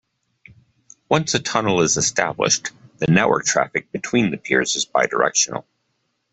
Once a tunnel is established, the network traffic between the peers is bidirectional.